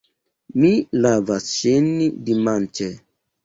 Mi lavas ŝin dimanĉe.